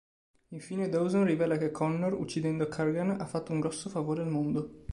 Infine Dawson rivela che Connor, uccidendo Kurgan, ha fatto "un grosso favore al mondo".